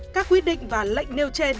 các quyết định và lệnh nêu trên